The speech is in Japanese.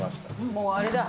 もうあれだ。